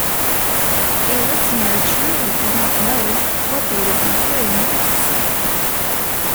A listener truly did not know what they would be hearing next.